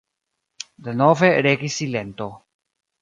Denove regis silento.